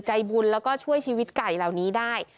ใจบุญแล้วก็ช่วยชีวิตไก่เหล่านี้ได้